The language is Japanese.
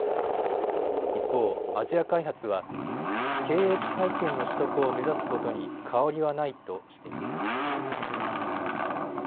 一方、アジア開発は経営支配権の取得を目指すことに変わりはないとしています。